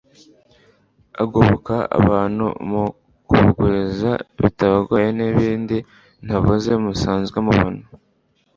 agoboka abantu mu kubaguriza bitabagoye n'ibindi ntavuze musanzwe mubona